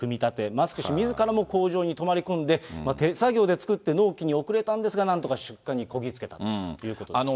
マスク氏みずからも工場に泊まり込んで、手作業で作って、納期に遅れたんですが、なんとか出荷にこぎ着けたということです。